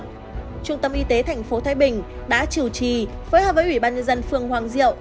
trung tâm y tế tp thái bình đã chủ trì phối hợp với ủy ban nhân dân phường hoàng diệu